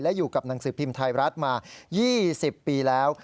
อยู่กับหนังสือพิมพ์ไทยรัฐมา๒๐ปีแล้ว